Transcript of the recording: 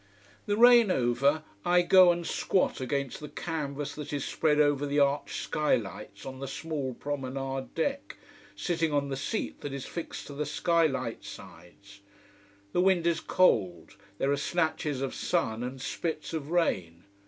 The rain over, I go and squat against the canvas that is spread over the arched sky lights on the small promenade deck, sitting on the seat that is fixed to the sky light sides. The wind is cold: there are snatches of sun and spits of rain.